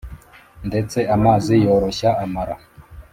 ndetse amazi yoroshya amara